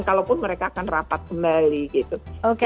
kalaupun mereka akan rapat kembali gitu